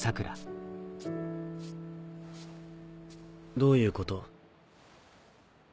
どういうこと？